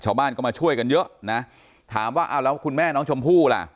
ชาวบ้านก็มาช่วยกันเยอะนะถามว่าเอาแล้วคุณแม่น้องชมพู่ล่ะ